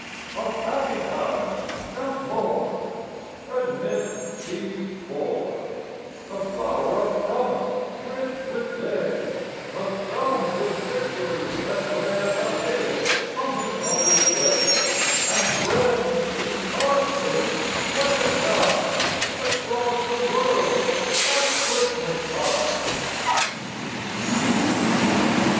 Of happy times count more, Admit these four: A flower of promise rich with day, A son with victories that wear A halo on his mother's way: And friends whose hearts ring like a chime Across the world at Christmas time.